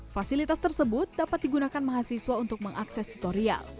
fasilitas tersebut dapat digunakan mahasiswa untuk mengakses tutorial